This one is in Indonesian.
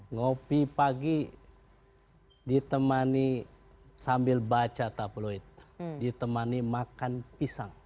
ngopi pagi ditemani sambil baca tabloid ditemani makan pisang